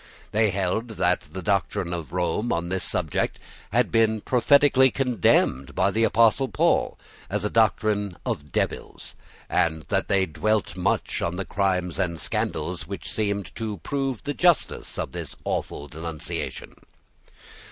They held that the doctrine of Rome on this subject had been prophetically condemned by the apostle Paul, as a doctrine of devils; and they dwelt much on the crimes and scandals which seemed to prove the justice of this awful denunciation.